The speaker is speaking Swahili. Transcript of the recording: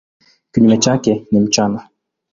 Kinyume chake ni mchana.